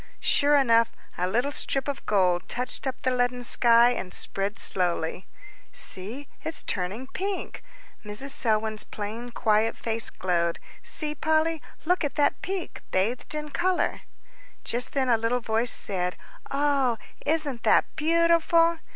Sure enough, a little strip of gold touched up the leaden sky, and spread slowly. "See, it's turning pink." Mrs. Selwyn's plain, quiet face glowed. "See, Polly, look at that peak bathed in colour." Just then a little voice said, "Oh, isn't that beautiful!"